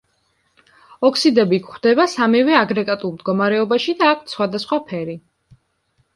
ოქსიდები გვხვდება სამივე აგრეგატულ მდგომარეობაში და აქვთ სხვადასხვა ფერი.